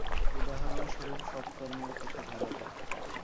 উদাহরণস্বরূপ সৎকর্মের কথা ধরা যাক।